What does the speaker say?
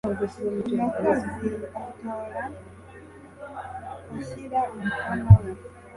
Umukozi atora ashyira umukono we